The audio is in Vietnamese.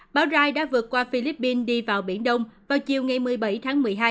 báo rai đã vượt qua philippines đi vào biển đông vào chiều ngày một mươi bảy tháng một mươi hai